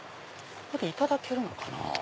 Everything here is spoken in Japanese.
ここでいただけるのかな？